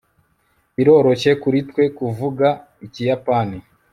biroroshye kuri twe kuvuga ikiyapani